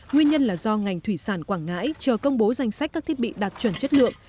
nguyên nhân là do ngành thủy sản quảng ngãi chờ công bố danh sách các thiết bị đạt chuẩn chất lượng